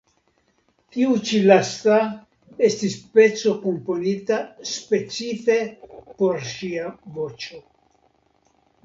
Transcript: Tiu ĉi lasta estis peco komponita specife por ŝia voĉo.